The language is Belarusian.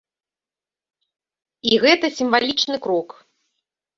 І гэта сімвалічны крок.